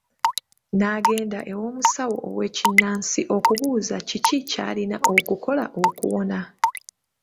N'agenda ew'omusaawo ow'ekinansi okubuza ki ky'alina okukola okuwona.